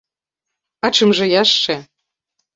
А чым жа яшчэ?